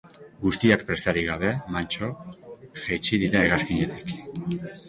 Guztiak presarik gabe, mantso, jaitsi dira hegazkinetik.